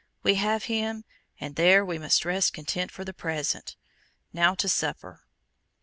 We have him, and there we must rest content for the present. Now to supper."